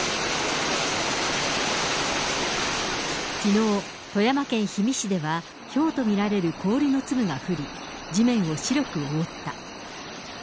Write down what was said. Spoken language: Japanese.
きのう、富山県氷見市では、ひょうと見られる氷の粒が降り、地面を白く覆った。